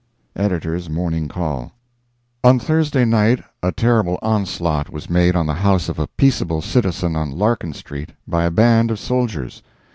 EDITORS MORNING CALL:—On Thursday night a terrible onslaught was made on the house of a peaceable citizen on Larkin street by a band of soldiers.